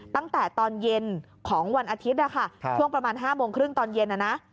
ตั้งแต่ตอนเย็นของวันอาทิตย์อ่ะค่ะประมาณ๕๓๐ตอนเย็นแล้วนะ